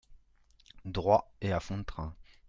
Droit, et à fond de train.